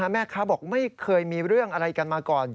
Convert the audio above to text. แม่ค้าบอกไม่เคยมีเรื่องอะไรกันมาก่อน